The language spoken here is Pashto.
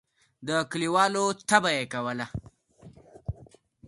د کلیوالو طبعه یې کوله.